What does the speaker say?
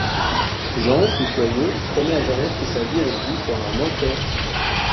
Jean, fou furieux, promet à Jeannette que sa vie avec lui sera un enfer.